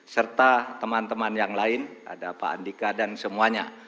serta teman teman yang lain ada pak andika dan semuanya